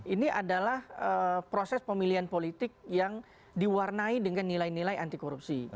ini adalah proses pemilihan politik yang diwarnai dengan nilai nilai anti korupsi